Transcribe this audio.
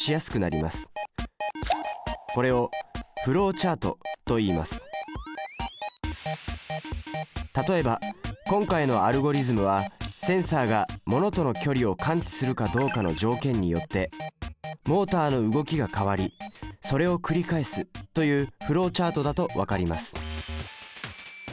これを例えば今回のアルゴリズムはセンサが物との距離を感知するかどうかの条件によってモータの動きが変わりそれを繰り返すというフローチャートだと分かります。